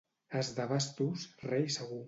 As de bastos, rei segur.